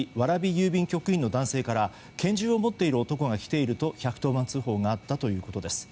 郵便局員の男性から拳銃を持っている男が来ていると１１０番通報があったということです。